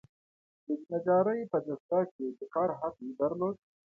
د نجارۍ په دستګاه کې یې د کار حق نه درلود.